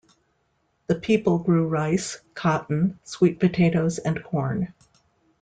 The people grew rice, cotton, sweet potatoes and corn.